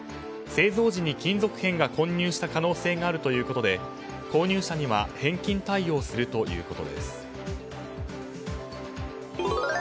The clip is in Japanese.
製造時に金属片が混入した可能性があるということで購入者には返金対応するということです。